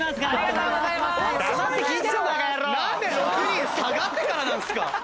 なんで６人下がってからなんですか！